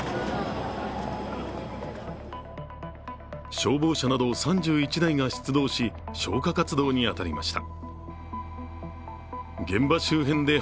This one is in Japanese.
消防車など３１台が出動し消火活動に当たりました。